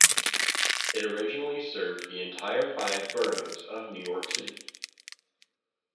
It originally served the entire five boroughs of New York City.